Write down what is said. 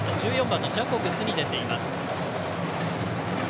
１４番のジャコブスに出ています。